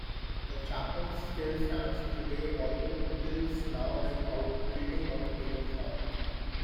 The chapel still stands today although it is now an outbuilding of Meadow Farm.